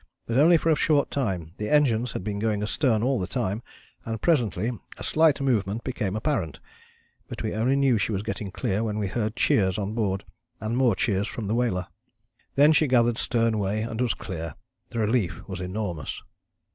But only for a short time; the engines had been going astern all the time and presently a slight movement became apparent. But we only knew she was getting clear when we heard cheers on board, and more cheers from the whaler. "Then she gathered stern way and was clear. The relief was enormous."